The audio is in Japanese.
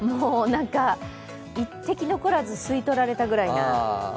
一滴残らず吸い取られたぐらいな。